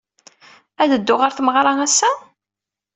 Ad teddud ɣer tmeɣra ass-a?